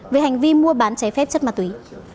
với hành vi mua bán trái phép chất ma túy